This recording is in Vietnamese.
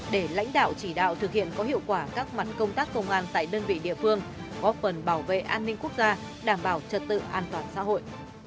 để lãnh đạo chỉ đạo thực hiện có hiệu quả các mặt công tác công an tại đơn vị địa phương góp phần bảo vệ an ninh quốc gia đảm bảo trật tự an toàn xã hội